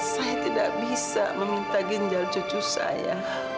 saya tidak bisa meminta ginjal cucu saya